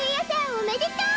おめでとう！